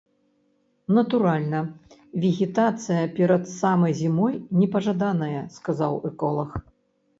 Натуральна, вегетацыя перад самай зімой непажаданая, сказаў эколаг.